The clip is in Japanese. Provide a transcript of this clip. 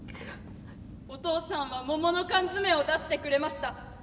お父さんは桃の缶詰を出してくれました。